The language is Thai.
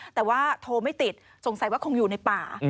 แต่ว่าโทรไม่ติดสงสัยว่าคงอยู่ในป่า